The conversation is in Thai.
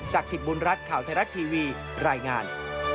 สิทธิ์บุญรัฐข่าวไทยรัฐทีวีรายงาน